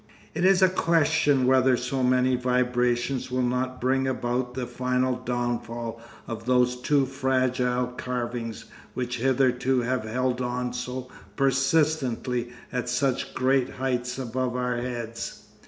It is a question whether so many vibrations will not bring about the final downfall of those too fragile carvings which hitherto have held on so persistently at such great heights above our heads.